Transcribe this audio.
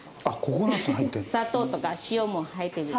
砂糖とか塩も入ってる。